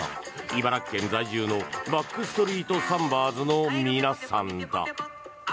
茨城県在住のバック・ストリート・サンバーズの皆さんだ。